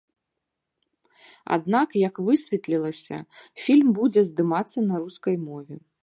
Аднак, як высветлілася, фільм будзе здымацца на рускай мове.